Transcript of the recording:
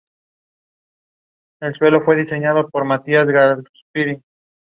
Cicerón opina que Dies debe lógicamente ser un dios, si Urano lo es.